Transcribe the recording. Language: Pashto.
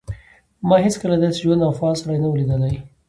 ما هیڅکله داسې ژوندی او فعال سړی نه و لیدلی